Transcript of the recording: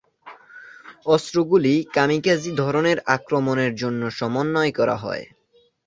অস্ত্রগুলি kamikaze ধরনের আক্রমণের জন্য সমন্বয় করা হয়।